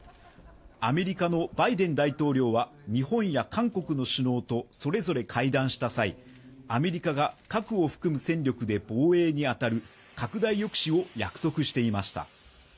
アメリカのバイデン大統領は日本や韓国の首脳とそれぞれ会談した際、アメリカが核を含む戦力で防衛に当たる拡大抑止を約束していました。